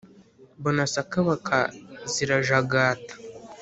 mbona sakabaka zirajagata